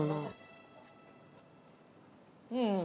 うん。